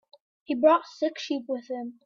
He brought six sheep with him.